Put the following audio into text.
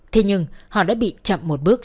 thế nhưng họ đã bị chậm một bước